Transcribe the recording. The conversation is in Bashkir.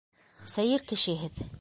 Сәйер кеше һеҙ.